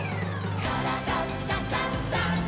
「からだダンダンダン」